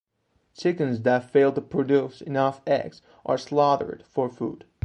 Chickens that fail to produce enough eggs are slaughtered for food.